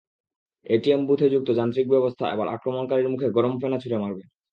ATM বুথে যুক্ত যান্ত্রিক ব্যবস্থা এবার আক্রমণকারীর মুখে গরম ফেনা ছুড়ে মারবে।